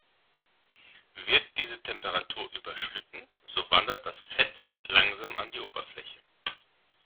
Wird diese Temperatur überschritten, so wandert das Fett langsam an die Oberfläche.